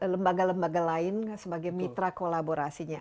lembaga lembaga lain sebagai mitra kolaborasinya